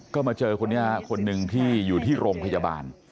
ก็มาเจอคนนี้คนหนึ่งที่อยู่ที่โรงพยาบาล